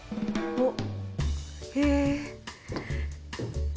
おっ。